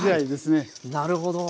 なるほど。